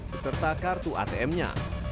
beserta kartu atm nya